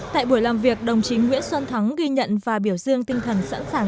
tại buổi làm việc đồng chí nguyễn xuân thắng ghi nhận và biểu dương tinh thần sẵn sàng